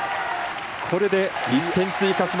これで１点追加。